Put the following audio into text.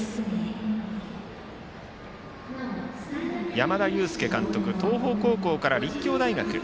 山田祐輔監督、東邦高校から立教大学へ。